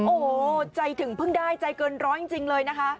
โอ้โหใจถึงเพิ่งได้ใจเกินร้อยจริงเลยนะคะ